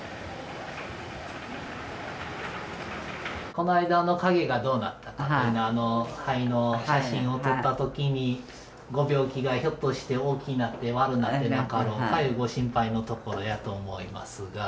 この間の影がどうなったかというのは肺の写真を撮ったときにご病気がひょっとして大きくなって悪うなってなかろうかいうご心配のところやと思いますが。